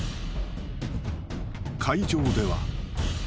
［会場では］